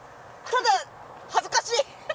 ただ恥ずかしい！